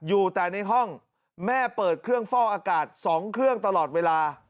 อยู่แต่ในห้องแม่เปิดเครื่องเฝ้าอากาศ๒เครื่องตลอดเวลา